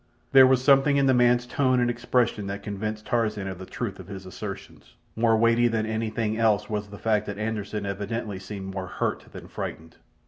There was something in the man's tone and expression that convinced Tarzan of the truth of his assertions. More weighty than anything else was the fact that Anderssen evidently seemed more hurt than frightened.